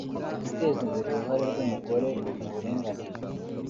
’’ Guteza imbere uruhare rw’umugore mu buringanire’’